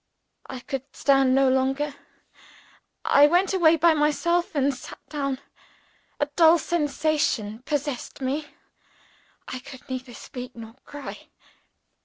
I could stand no longer. I went away by myself and sat down. A dull sensation possessed me. I could neither speak, nor cry.